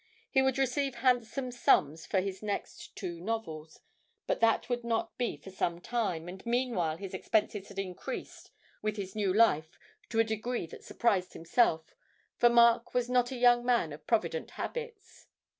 He would receive handsome sums for his next two novels, but that would not be for some time, and meanwhile his expenses had increased with his new life to a degree that surprised himself, for Mark was not a young man of provident habits.